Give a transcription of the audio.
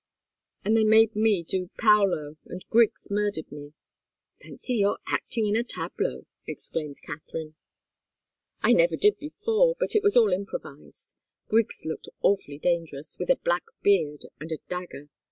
"And they made me do Paolo, and Griggs murdered me " "Fancy your acting in a tableau!" exclaimed Katharine. "I never did before but it was all improvised. Griggs looked awfully dangerous with a black beard and a dagger.